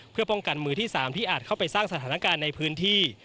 เพื่อป้องกันมือที่๓ที่อาจเข้าไปสร้างสถานการณ์ในพื้นที่